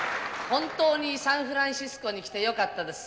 本当にサンフランシスコに来てよかったです。